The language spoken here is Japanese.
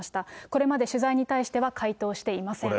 これまで取材に対しては、回答していません。